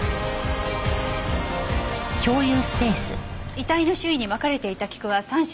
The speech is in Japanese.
遺体の周囲にまかれていた菊は３種類。